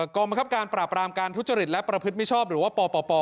กรรมคับการปราบรามการทุจริตและประพฤติมิชชอบหรือว่าปป